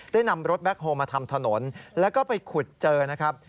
ได้นำรถแบ็คโฮลมาทำถนนแล้วก็ไปขุดเจอนะครับ